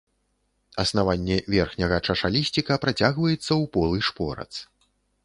Аснаванне верхняга чашалісціка працягваецца ў полы шпорац.